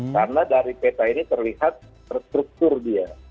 karena dari peta ini terlihat struktur dia